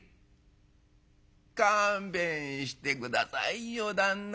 「勘弁して下さいよ旦那。